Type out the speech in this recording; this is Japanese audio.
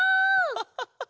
ハハハハハ！